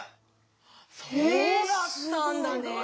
そうだったんだね。